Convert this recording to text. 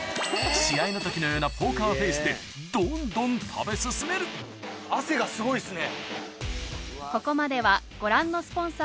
試合の時のようなポーカーフェイスでどんどん食べ進める汗がすごいっすね。